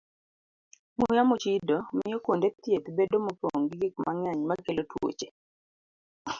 Muya mochido miyo kuonde thieth bedo mopong' gi gik mang'eny makelo tuoche.